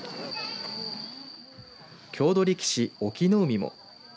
郷土力士、隠岐の海も。